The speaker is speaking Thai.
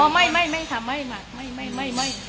ไม่ค่ะไม่ค่ะ